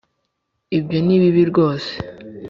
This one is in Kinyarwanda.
ibyo ni bibi rwose